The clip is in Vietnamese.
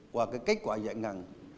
qua cái kết quả giải ngân